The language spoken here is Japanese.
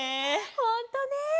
ほんとね。